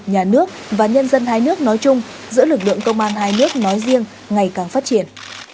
nhà nước và nhân dân hai nước nói chung giữa lực lượng công an hai nước nói riêng ngày càng phát triển